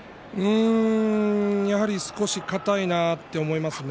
やはり少し硬いなと思いますね。